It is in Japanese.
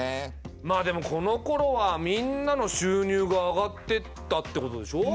まあでもこのころはみんなの収入が上がってったってことでしょう。